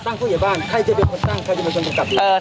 เป็นข้อข้อ๕ในเงินไขว่าให้ผู้เดือนบ้าน